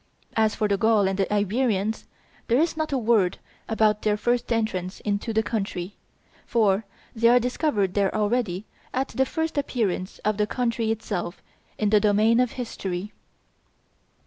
As for the Gauls and the Iberians, there is not a word about their first entrance into the country, for they are discovered there already at the first appearance of the country itself in the domain of history.